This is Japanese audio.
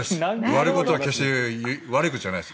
割ることは決して悪いことじゃないです。